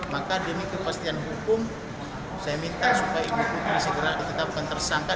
maka demi kepastian hukum saya minta supaya ibu putri segera ditetapkan tersangka